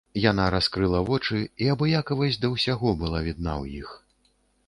Яна раскрыла вочы, і абыякавасць да ўсяго была відна ў іх.